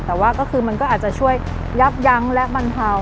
แต่ว่าก็คือมันก็อาจจะช่วยยับยั้งและบรรเทา